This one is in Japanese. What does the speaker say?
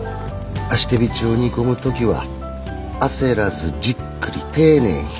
足てびちを煮込む時は焦らずじっくり丁寧に。